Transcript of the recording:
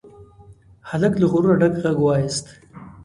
هلک له غروره ډک غږ واېست.